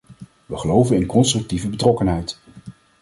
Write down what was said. We geloven in constructieve betrokkenheid.